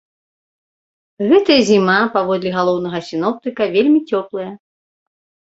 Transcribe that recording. Гэтая зіма, паводле галоўнага сіноптыка, вельмі цёплая.